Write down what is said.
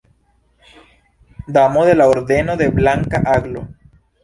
Damo de la Ordeno de Blanka Aglo.